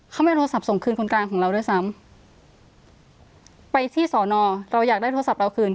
เขาไม่โทรศัพท์ส่งคืนคนกลางของเราด้วยซ้ำไปที่สอนอเราอยากได้โทรศัพท์เราคืน